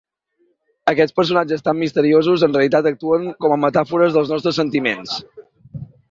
Aquests personatges tan misteriosos en realitat actuen com a metàfores dels nostres sentiments.